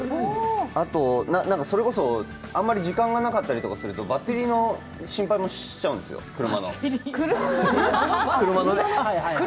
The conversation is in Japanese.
あと、それこそあまり時間がなかったりすると、バッテリーの心配もしちゃうんですよ、車のね。